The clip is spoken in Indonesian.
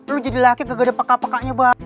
lu jadi laki gagede peka pekanya banget